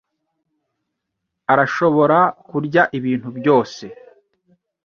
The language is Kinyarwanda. arashobora kurya ibintu byose.